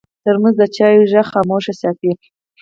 ترموز د چایو غږ خاموش ساتي.